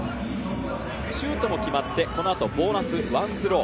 シュートも決まってこのあとボーナスワンスロー。